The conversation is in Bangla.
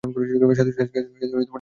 সাথে ট্যাঙ্কটাও উড়িয়ে দেবো!